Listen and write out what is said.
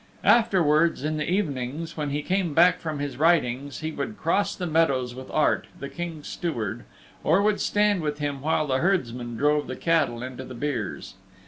Afterwards, in the evenings, when he came back from his ridings, he would cross the meadows with Art, the King's Steward, or would stand with him while the herdsmen drove the cattle into the byres.